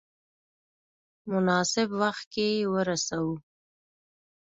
مناسب وخت کې ورساوه.